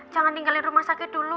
jangan tinggalin rumah sakit dulu